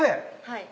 はい。